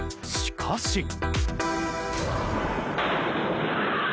しかし。